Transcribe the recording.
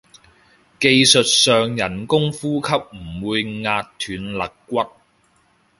技術上人工呼吸唔會壓斷肋骨